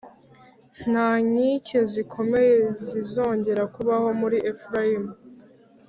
Nta nkike zikomeye zizongera kubaho muri Efurayimu,